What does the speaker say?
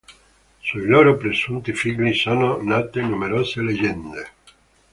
Sui loro presunti figli sono nate numerose leggende.